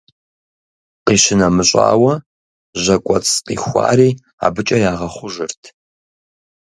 Къищынэмыщӏауэ, жьэкӏуэцӏ къихуари абыкӏэ ягъэхъужырт.